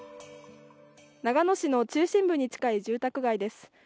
長野市の中心部に近い住宅街です。